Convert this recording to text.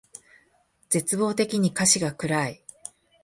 絶望的に歌詞が暗い